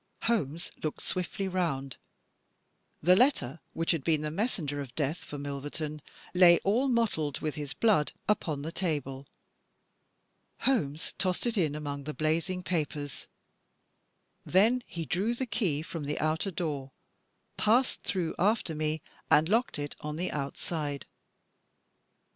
Holmes looked swiftly round. The letter which had been the mes senger of death for Milverton lay, all mottled with his blood, upon the table. Holmes tossed it in among the blazing papers. Then he drew the key from the outer door, passed through after me, and locked it on the outside.